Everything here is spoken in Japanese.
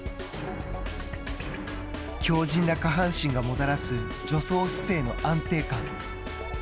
強じんな下半身がもたらす助走姿勢の安定感。